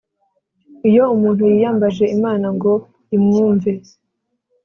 iyo umuntu yiyambaje imana ngo imwumve